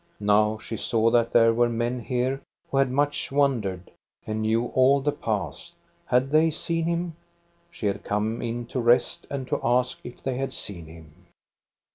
Now she saw that there were men here who had much wandered, and knew all the paths. Had they seen him ? She had come in to rest, and to ask if they had seen him.